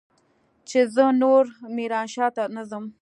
چې زه نور ميرانشاه ته نه ځم.